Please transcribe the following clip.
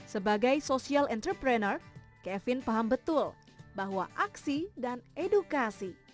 sebagai social entrepreneur kevin paham betul bahwa aksi dan edukasi